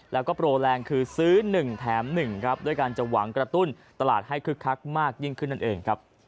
แล้วก็โปรแรงคือซื้อ๑แถม๑ครับด้วยการจะหวังกระตุ้นตลาดให้คึกคักมากยิ่งขึ้นนั่นเองครับ